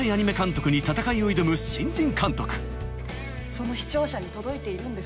その視聴者に届いているんですか？